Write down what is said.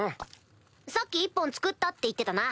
さっき１本作ったって言ってたな